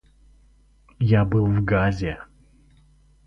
Я был в Газе.